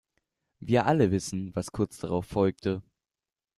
Wir alle wissen, was kurz darauf folgte.